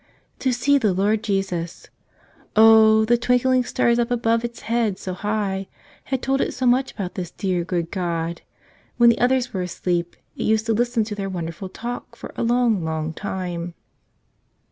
To see the Lord Jesus! Oh, the twinkling stars up above its head so high had told it so much about this dear, good God; when the others 88 A Beautiful Legend of Corpus Christ i were asleep it used to listen to their wonderful talk for a long, long time..